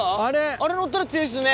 あれ乗ったら強いっすね。